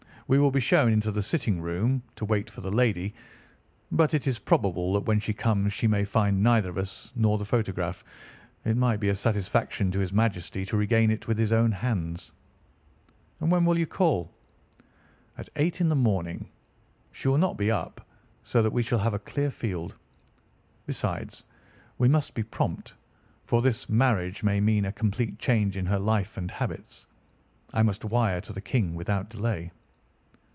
We will be shown into the sitting room to wait for the lady, but it is probable that when she comes she may find neither us nor the photograph. It might be a satisfaction to his Majesty to regain it with his own hands." "And when will you call?" "At eight in the morning. She will not be up, so that we shall have a clear field. Besides, we must be prompt, for this marriage may mean a complete change in her life and habits. I must wire to the King without delay."